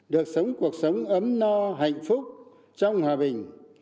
được sống cuộc sống ấm no hạnh phúc trong hòa bình